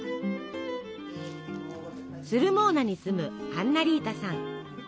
スルモーナに住むアンナリータさん。